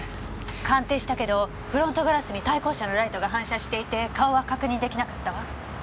鑑定したけどフロントガラスに対向車のライトが反射していて顔は確認出来なかったわ。